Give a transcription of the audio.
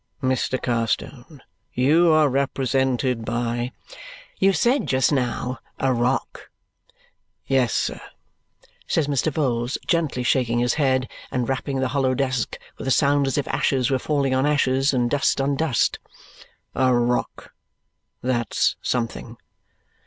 "Mr. Carstone, you are represented by " "You said just now a rock." "Yes, sir," says Mr. Vholes, gently shaking his head and rapping the hollow desk, with a sound as if ashes were falling on ashes, and dust on dust, "a rock. That's something.